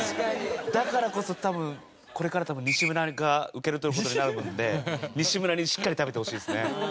だからこそ多分これから多分西村が受け取る事になるので西村にしっかり食べてほしいですね。